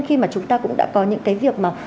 khi mà chúng ta cũng đã có những cái việc mà